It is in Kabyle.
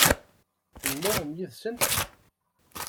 Tennuɣem yid-sent?